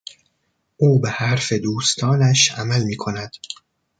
او به حرف دوستانش عمل میکند.